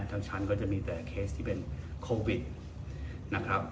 ชั้นก็จะมีแต่เคสที่เป็นโควิดนะครับ